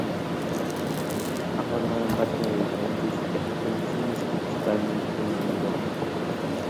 Ha formado parte de diferentes exposiciones, principalmente en Europa.